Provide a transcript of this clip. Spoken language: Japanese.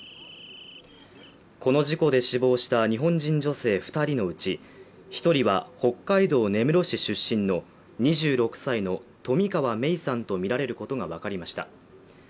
この事故で死亡した日本人女性２人のうち１人は、北海道根室市出身の２６歳の冨川芽生さんとみられることが分かりました。